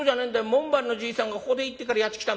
門番のじいさんがここでいいって言うからやって来た。